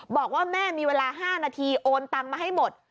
บอกว่าแม่มีเวลา๕นาทีโอนตังมาให้หมด